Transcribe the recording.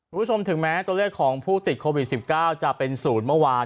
คุณผู้ชมถึงแม้ตัวเลขของผู้ติดโควิด๑๙จะเป็นศูนย์เมื่อวาน